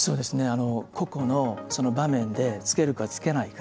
ここの場面でつけるかつけないか。